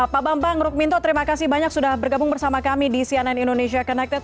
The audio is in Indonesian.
pak bambang rukminto terima kasih banyak sudah bergabung bersama kami di cnn indonesia connected